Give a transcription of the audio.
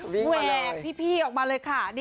วิ้งมาเลย